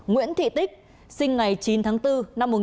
nguyễn thị tích sinh ngày chín tháng bốn năm một nghìn chín trăm tám mươi bốn